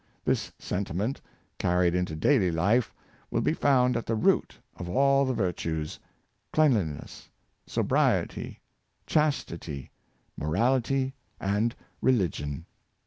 This sentiment, carried into daily life, will be found at the root of all the virtues — cleanliness, sobriety, chastity, morality, and religion.